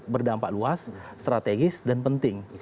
berdampak luas strategis dan penting